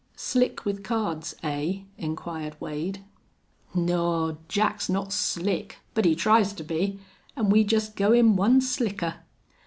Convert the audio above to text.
"Slick with cards, eh?" inquired Wade. "Naw, Jack's not slick. But he tries to be. An' we jest go him one slicker."